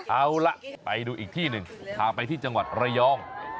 เอาล่ะไปดูอีกที่หนึ่งพาไปที่จังหวัดระยอง